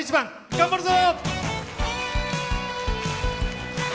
頑張るぞ！